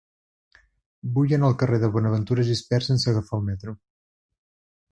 Vull anar al carrer de Bonaventura Gispert sense agafar el metro.